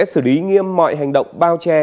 xử lý nghiêm mọi hành động bao che